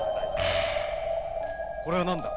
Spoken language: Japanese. これは何だ。